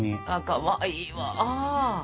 かわいいわ。